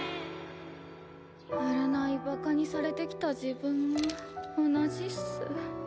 占いバカにされてきた自分も同じっす。